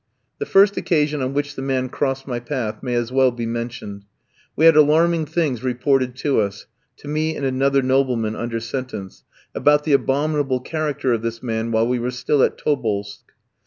The first occasion on which the man crossed my path may as well be mentioned. We had alarming things reported to us to me and another nobleman under sentence about the abominable character of this man, while we were still at Tobolsk.